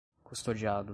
custodiado